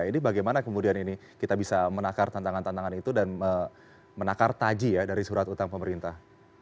ini bagaimana kemudian ini kita bisa menakar tantangan tantangan itu dan menakar taji ya dari surat utang pemerintah